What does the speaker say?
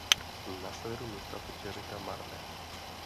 Na severu města teče řeka Marne.